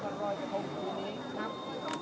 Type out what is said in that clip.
สวัสดีครับทุกคน